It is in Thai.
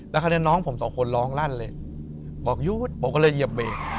แล้วคราวนี้น้องผมสองคนร้องลั่นเลยบอกหยุดผมก็เลยเหยียบเบรก